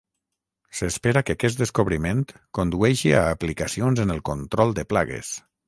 S'espera que aquest descobriment condueixi a aplicacions en el control de plagues.